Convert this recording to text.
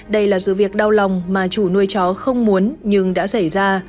đây là sự việc đau lòng mà chủ nuôi chó không muốn nhưng đã xảy ra